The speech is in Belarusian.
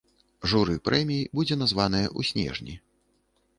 Журы прэміі будзе названае ў снежні.